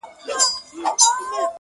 د حاکم سترگي له قهره څخه سرې سوې!.